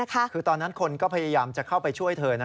คือตอนนั้นคนก็พยายามจะเข้าไปช่วยเธอนะ